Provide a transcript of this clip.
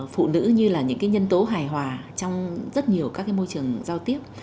phụ nữ như là những cái nhân tố hài hòa trong rất nhiều các cái môi trường giao tiếp